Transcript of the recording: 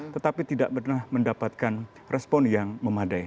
tetapi tidak pernah mendapatkan respon yang memadai